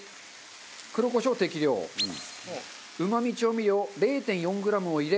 黒コショウ適量うま味調味料０．４グラムを入れ